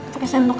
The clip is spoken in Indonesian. pakai sendok aja